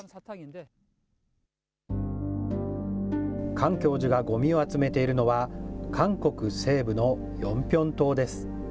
カン教授がごみを集めているのは、韓国西部のヨンピョン島です。